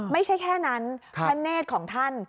ไม่ใช่แค่นั้นพระเนธของท่าน